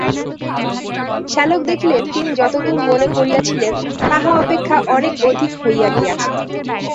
শ্যালক দেখিলেন, তিনি যত-দূর মনে করিয়াছিলেন তাহা অপেক্ষা অনেক অধিক হইয়া গিয়াছে।